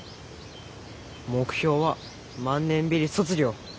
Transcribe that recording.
目標は万年ビリ卒業。